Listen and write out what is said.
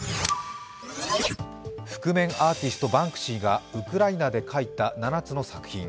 覆面アーティスト・バンクシーがウクライナで描いた７つの作品。